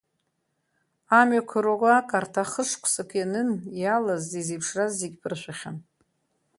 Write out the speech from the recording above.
Амҩақәа руак арҭ ахышықәсак ианын, иалаз, изеиԥшраз зегьы ԥыршәахьан.